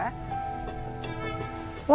ini udah berapa